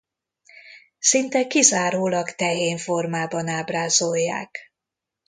Szinte kizárólag tehén formában ábrázolják.